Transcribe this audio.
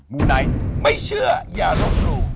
มูไนท์ไม่เชื่ออย่าลบหลู่